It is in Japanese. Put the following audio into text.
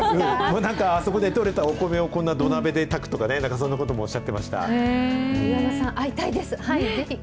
なんかあそこで取れたお米をこんな土鍋で炊くとかね、なんか岩間さん、会いたいです。